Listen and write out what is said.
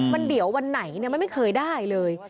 มันเดี๋ยววันไหนมันไม่เคยได้เลย